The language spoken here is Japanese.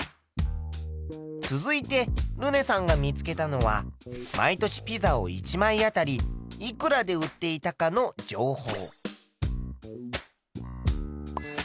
続いてルネさんが見つけたのは毎年ピザを１枚あたりいくらで売っていたかの情報。